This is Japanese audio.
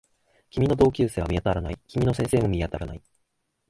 君の同級生は見当たらない。君の先生も見当たらない